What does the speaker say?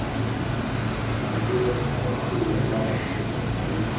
Ntambire Abakwiye n’Abatsinzi,